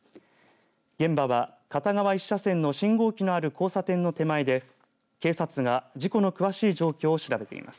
現場は、片側１車線の信号機のある交差点の手前で警察が事故の詳しい状況を調べています。